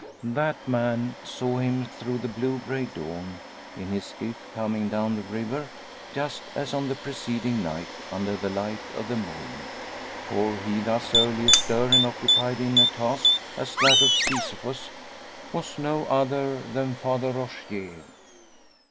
That man saw him through the blue grey dawn, in his skiff coming down the river; just as on the preceding night under the light of the moon. For he thus early astir and occupied in a task as that of Sysiphus, was no other than Father Rogier.